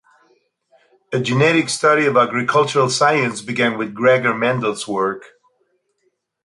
A genetic study of Agricultural science began with Gregor Mendel's work.